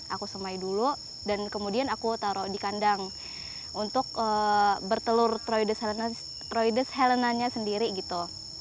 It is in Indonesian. aku semai dulu dan kemudian aku taruh di kandang untuk bertelur troides helenanya sendiri gitu